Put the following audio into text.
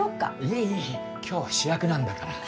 いい今日は主役なんだから。